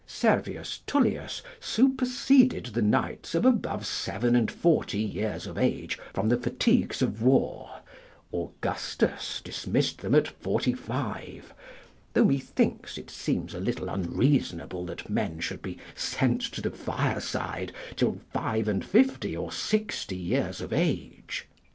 Servius Tullius superseded the knights of above seven and forty years of age from the fatigues of war; Augustus dismissed them at forty five; though methinks it seems a little unreasonable that men should be sent to the fireside till five and fifty or sixty years of age.